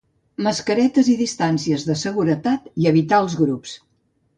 Mascaretes i distàncies de seguretat i evitar els grups.